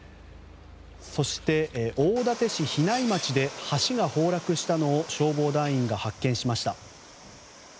そして、大館市比内町で橋が崩落したのを消防団員が発見しました。